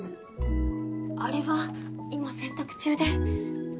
あれは今洗濯中で。